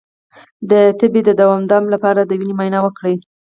د تبې د دوام لپاره د وینې معاینه وکړئ